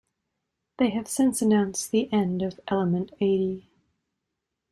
They have since announced the end of Element Eighty.